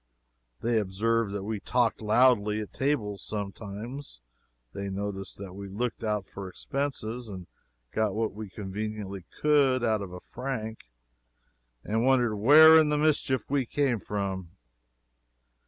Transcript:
They observed that we talked loudly at table sometimes. They noticed that we looked out for expenses, and got what we conveniently could out of a franc, and wondered where in the mischief we came from.